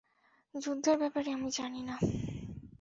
যুদ্ধের ব্যাপারে আমি জানি না।